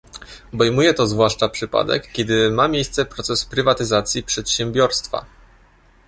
Obejmuje to zwłaszcza przypadek, kiedy ma miejsce proces prywatyzacji przedsiębiorstwa